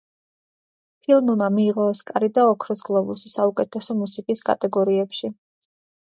ფილმმა მიიღო ოსკარი და ოქროს გლობუსი საუკეთესო მუსიკის კატეგორიებში.